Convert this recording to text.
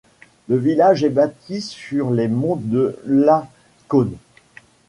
Le village est bâti sur les monts de Lacaune.